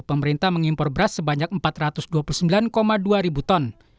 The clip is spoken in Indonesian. pemerintah mengimpor beras sebanyak empat ratus dua puluh sembilan dua ribu ton